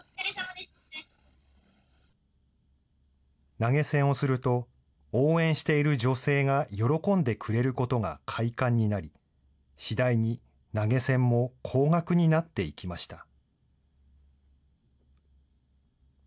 投げ銭をすると、応援している女性が喜んでくれることが快感になり、次第に投げ銭も高額になっていきました。